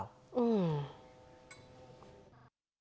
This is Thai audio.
อืม